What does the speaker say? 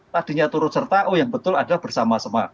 tadinya turut serta oh yang betul ada bersama sama